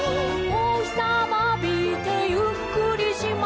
「おひさまあびてゆっくりしましょう」